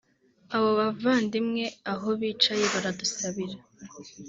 abo bavandimwe aho bicaye baradusabira”